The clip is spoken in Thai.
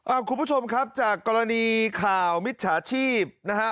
คุณผู้ชมครับจากกรณีข่าวมิจฉาชีพนะฮะ